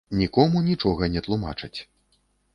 Нікому нічога не тлумачаць.